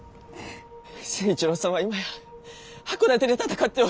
成一郎さんは今や箱館で戦っておる。